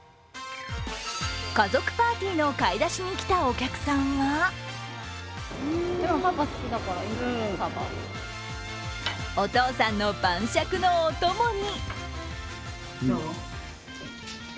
家族パーティーの買い出しにきたお客さんはお父さんの晩酌のお供に。